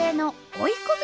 追い込み！